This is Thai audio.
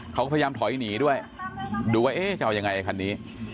เขาก็พยายามถอยหนีด้วยดูว่าเอ๊ะจะเอายังไงคันนี้